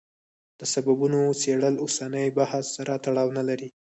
د سببونو څېړل اوسني بحث سره تړاو نه لري.